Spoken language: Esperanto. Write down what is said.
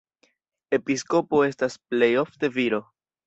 Episkopo estas plej ofte viro.